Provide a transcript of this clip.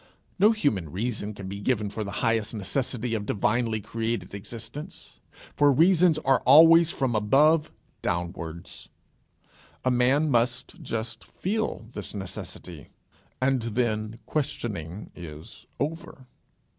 No human reason can be given for the highest necessity of divinely created existence. For reasons are always from above downwards. A man must just feel this necessity, and then questioning is over.